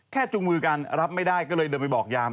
จูงมือกันรับไม่ได้ก็เลยเดินไปบอกยาม